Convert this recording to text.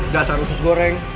dasar sus goreng